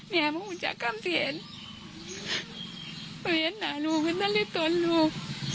แม่บอกว่าอุจจักรคำเถียนว่าเวียดหนาลูกก็จะรีบตัวลูก